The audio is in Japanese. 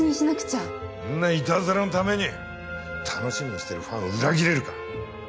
こんなイタズラのために楽しみにしてるファンを裏切れるか！